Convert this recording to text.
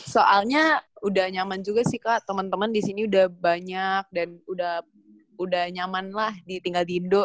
soalnya udah nyaman juga sih kak temen temen di sini udah banyak dan udah nyaman lah tinggal di indo